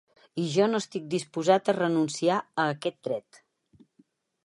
I jo no estic disposat a renunciar a aquest dret.